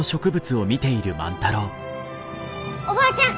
おばあちゃん